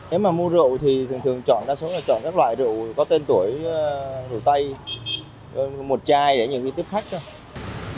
nếu mà mua rượu thì thường thường chọn đa số là chọn các loại rượu có tên tuổi rượu tay một chai để những người tiếp khách thôi